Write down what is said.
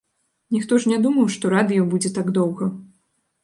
Ніхто ж не думаў, што радыё будзе так доўга.